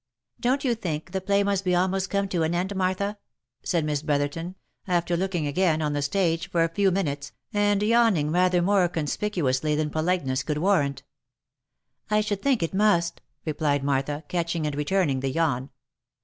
" Don't you think the play must be almost come to an end, Martha?" said Miss Brotherton, after looking again on the stage for a few mi nutes, and yawning rather more conspicuously than politeness could warrant. " I should think it must," replied Martha, catching, and returning the yawn.